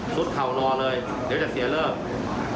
เข่ารอเลยเดี๋ยวจะเสียเลิก